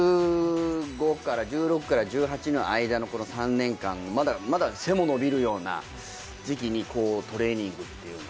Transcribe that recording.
１５から１８の間の３年間まだ背も伸びるような時期にトレーニングっていうのは。